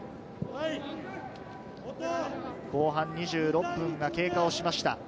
後半２６分が経過しました。